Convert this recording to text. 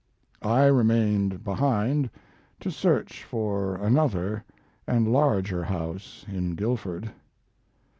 I remained behind to search for another and larger house in Guildford.